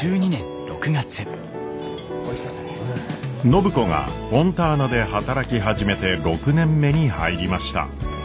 暢子がフォンターナで働き始めて６年目に入りました。